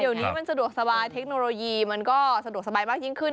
เดี๋ยวนี้มันสะดวกสบายเทคโนโลยีมันก็สะดวกสบายมากยิ่งขึ้น